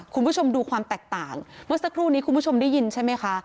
คุณผู้ชมดูความแตกต่างเมื่อสักครู่นี้คุณผู้ชมได้ยินใช่ไหมคะ